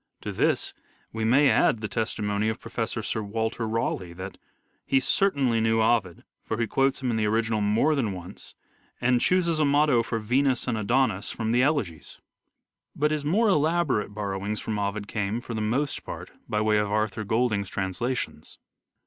To this we may add the testimony of Professor Sir Walter Raleigh that : "He certainly knew Ovid, for he quotes him in the original more than once, and chooses a motto for "Venus and Adonis" from the EARLY LIFE OF EDWARD DE VERE 237 Elegies. But his more elaborate borrowings from Ovid came, for the most part, by way of Arthur Golding's translations."